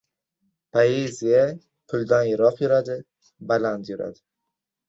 Poeziya puldan yiroq yuradi, baland yuradi.